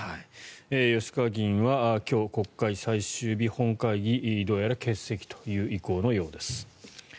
吉川議員は今日、最終日国会本会議どうやら欠席という意向のようです。